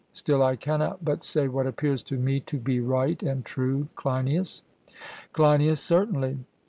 Still I cannot but say what appears to me to be right and true, Cleinias. CLEINIAS: Certainly.